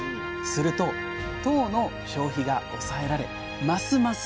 すると糖の消費が抑えられますます